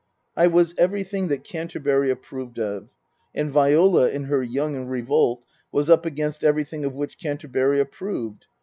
I was everything that Canterbury approved of. And Viola, in her young revolt, was up against everything of which Canterbury approved.